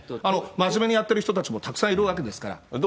真面目にやってる人たちもたくさんいるわけですから。